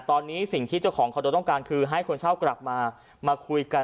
ตอนนี้สิ่งที่เจ้าของคอนโดต้องการคือให้คนเช่ากลับมามาคุยกัน